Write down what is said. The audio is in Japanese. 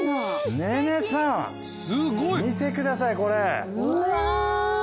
寧々さん見てくださいこれ。